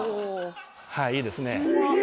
はいいいですね。